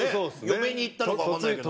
嫁にいったのかわかんないけど。